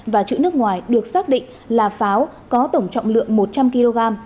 và chữ nước ngoài được xác định là pháo có tổng trọng lượng một trăm linh kg